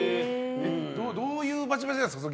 どういうバチバチなんですか？